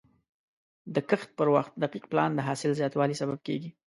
د کښت پر وخت دقیق پلان د حاصل زیاتوالي سبب کېږي.